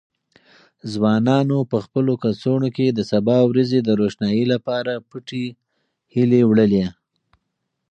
ځوانانو په خپلو کڅوړو کې د سبا ورځې د روښنايي لپاره پټې هیلې وړلې.